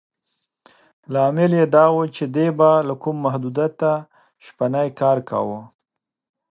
لامل یې دا و چې دې به بې له کوم محدودیته شپنی کار کاوه.